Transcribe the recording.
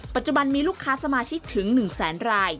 ปัจจุบันมีลูกค้าสมาชิกถึง๑แสนราย